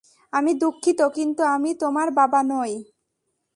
আমি দুঃখিত, কিন্তু আমি তোমার বাবা নই।